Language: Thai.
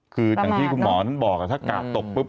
คืออย่างที่คุณหมอนั้นบอกถ้ากาดตกปุ๊บ